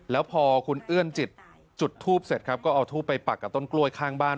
แล้วพอคุณเอื้อนจิตจุดทูปเสร็จครับก็เอาทูบไปปักกับต้นกล้วยข้างบ้าน